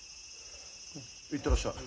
行ってらっしゃい。